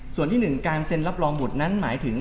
ส่วนที่๑การเซ็นรับรองบุตรนั้นหมายถึง